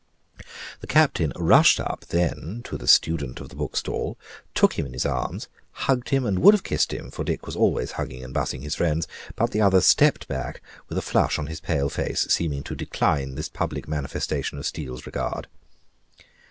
The Captain rushed up, then, to the student of the book stall, took him in his arms, hugged him, and would have kissed him for Dick was always hugging and bussing his friends but the other stepped back with a flush on his pale face, seeming to decline this public manifestation of Steele's regard.